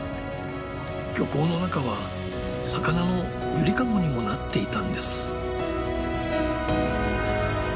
漁港の中は魚の揺りかごにもなっていたんです。